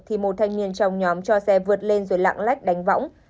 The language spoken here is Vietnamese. thì một thanh niên trong nhóm cho xe vượt lên rồi lạng lách đánh võng